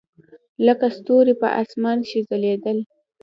لکه ستوري په اسمان کښې ځلېدل.